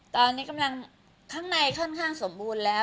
ตอนนี้กำลังข้างในค่อนข้างสมบูรณ์แล้ว